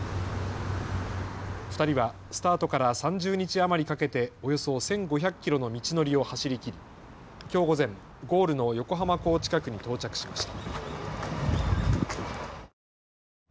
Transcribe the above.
２人はスタートから３０日余りかけておよそ１５００キロの道のりを走りきりきょう午前、ゴールの横浜港近くに到着しました。